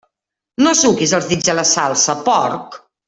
No suquis els dits a la salsa, porc!